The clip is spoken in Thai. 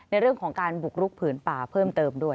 ในเรื่องของการบุกรุกผืนป่าเพิ่มเติมด้วย